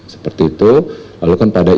seperti itu lalu kan pada